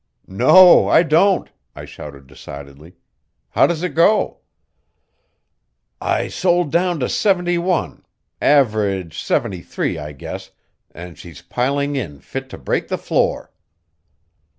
"No, I don't!" I shouted decidedly. "How does it go?" "I sold down to seventy one average seventy three, I guess and she's piling in fit to break the floor."